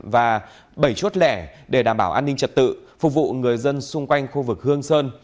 và bảy chốt lẻ để đảm bảo an ninh trật tự phục vụ người dân xung quanh khu vực hương sơn